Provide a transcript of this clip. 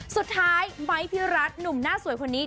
สุดท้ายไมค์พี่รัฐหนุ่มหน้าสวยคนนี้